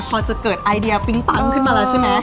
พอจะเกิดไอเดียปิ๊งปังขึ้นมาแล้วใช่ไหม